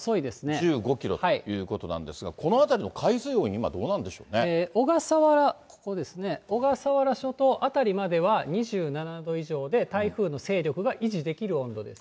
１５キロということなんですが、この辺りの海水温、今、どう小笠原、ここですね、小笠原諸島辺りまでは２７度以上で、台風の勢力が維持できる温度です。